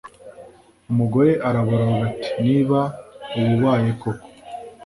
umugore araboroga ati niba ubabaye koko